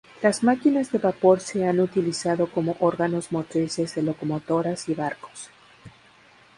Las máquinas de vapor se han utilizado como órganos motrices de locomotoras, y barcos.